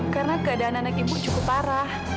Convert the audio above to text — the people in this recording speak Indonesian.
karena keadaan anak ibu cukup parah